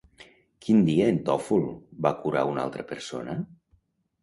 Quin dia en Tòful va curar una altra persona?